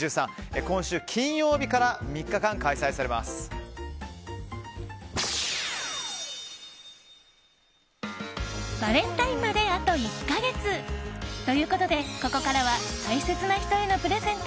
今週金曜日からバレンタインまであと１か月！ということで、ここからは大切な人へのプレゼント